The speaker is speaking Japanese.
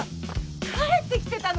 帰ってきてたの？